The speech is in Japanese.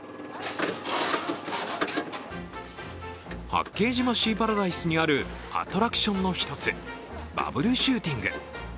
八景島シーパラダイスにあるアトラクションの１つ、バブルシューティング。